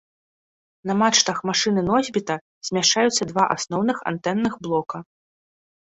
На мачтах машыны-носьбіта змяшчаюцца два асноўных антэнных блока.